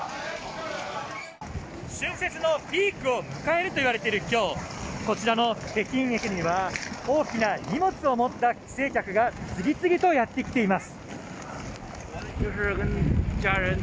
春節のピークを迎えるといわれている今日こちらの北京駅には大きな荷物を持った帰省客が次々とやってきています。